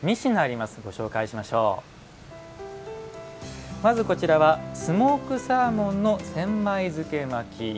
まず「スモークサーモンの千枚漬巻き」。